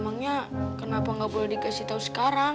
emangnya kenapa gak boleh dikasih tau sekarang